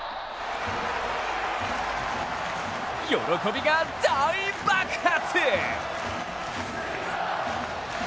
喜びが大爆発！